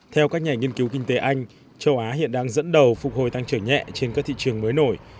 theo các nhà nghiên cứu kinh tế anh châu á hiện đang dẫn đầu phục hồi tăng trở nhẹ trên các thị trường mới nổi